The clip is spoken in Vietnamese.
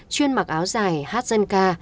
chuyên mặc áo dài hát danh ca